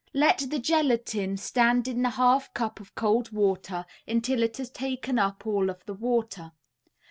Let the gelatine stand in the half cup of cold water until it has taken up all of the water.